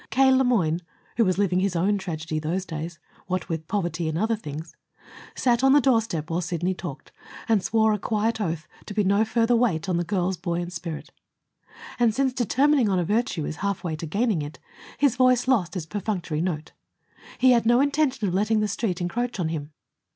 K. Le Moyne, who was living his own tragedy those days, what with poverty and other things, sat on the doorstep while Sidney talked, and swore a quiet oath to be no further weight on the girl's buoyant spirit. And, since determining on a virtue is halfway to gaining it, his voice lost its perfunctory note. He had no intention of letting the Street encroach on him.